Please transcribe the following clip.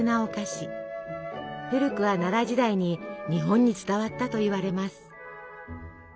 古くは奈良時代に日本に伝わったといわれます。